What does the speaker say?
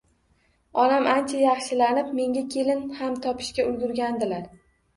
Onam ancha yaxshilanib menga kelin ham topishga ulgurgandilar